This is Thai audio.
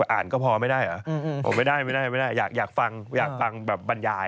อ่านก็พอไม่ได้เหรอไม่ได้อยากฟังบรรยาย